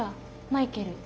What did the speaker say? マイケル。